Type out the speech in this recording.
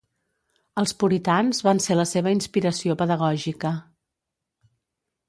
Els puritans van ser la seva inspiració pedagògica.